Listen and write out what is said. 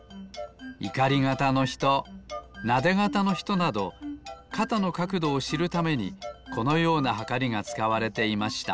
いかり肩のひとなで肩のひとなど肩のかくどをしるためにこのようなはかりがつかわれていました。